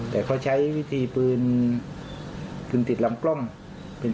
แต่เขาใช้วิธีพื้น